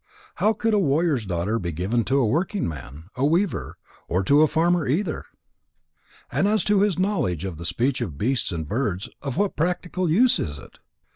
How could a warrior's daughter be given to a working man, a weaver? Or to a farmer, either? And as to his knowledge of the speech of beasts and birds, of what practical use is it?